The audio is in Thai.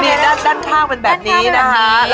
นี่ด้านข้างเป็นแบบนี้นะคะ